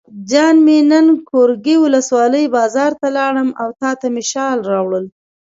جان مې نن ګورکي ولسوالۍ بازار ته لاړم او تاته مې شال راوړل.